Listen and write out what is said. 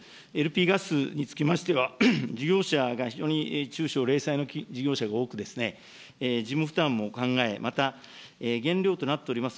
ＬＰガスにつきましては、事業者が非常に中小零細の事業者が多く、事務負担も考え、また原料となっております